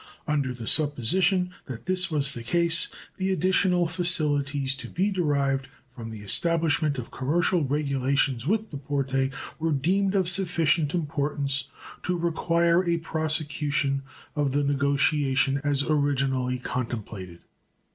Under the supposition that this was the case, the additional facilities to be derived from the establishment of commercial regulations with the Porte were deemed of sufficient importance to require a prosecution of the negotiation as originally contemplated.